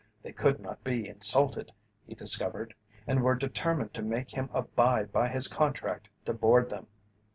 They could not be insulted, he discovered, and were determined to make him abide by his contract to board them.